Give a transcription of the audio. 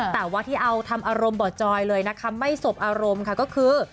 แต่ว่าที่เอาทำอารมณ์บ่อจอยเลยฯอารมณ์ไม่สบค่ะก็คือ